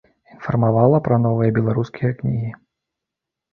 Інфармавала пра новыя беларускія кнігі.